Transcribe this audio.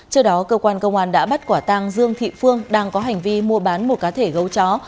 trước đó cơ quan công an đã bắt quả tang dương thị phương đang có hành vi mua bán một cá thể gấu chó